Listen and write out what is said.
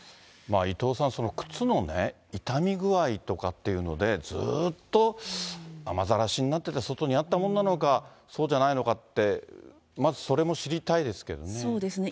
伊藤さん、靴のね、傷み具合とかっていうので、ずーっと雨ざらしになってて、外にあったものなのか、そうじゃないのかって、まず、そうですね。